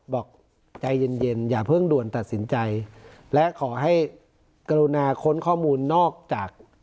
บอกใจเย็นเย็นอย่าเพิ่งด่วนตัดสินใจและขอให้กรุณาค้นข้อมูลนอกจาก